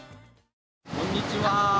こんにちは。